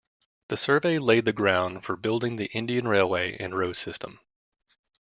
The Survey laid the ground for building the Indian railway and road system.